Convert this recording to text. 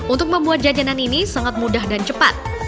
untuk membuat jajanan ini sangat mudah dan cepat